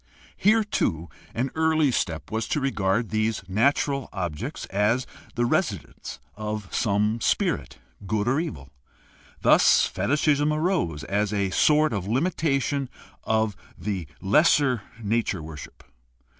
Here, too, an early step was to regard these natural objects as the residence of some spirit, good or evil. Thus fetishism arose as a sort of limitation of the lesser nature worship.